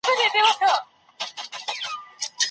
پناه ورکول په اسلام کي څه حکم لري؟